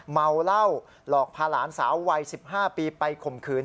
เมาเหล้าหลอกพาหลานสาววัย๑๕ปีไปข่มขืน